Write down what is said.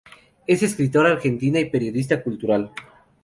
Es escritora argentina y periodista cultural.